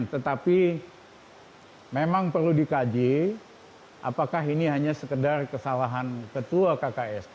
tetapi memang perlu dikaji apakah ini hanya sekedar kesalahan ketua kksk